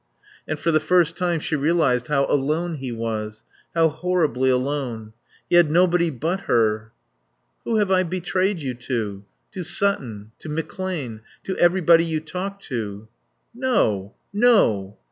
And for the first time she realised how alone he was; how horribly alone. He had nobody but her. "Who have I betrayed you to?" "To Sutton. To McClane. To everybody you talked to." "No. No."